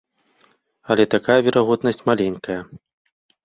Але такая верагоднасць маленькая.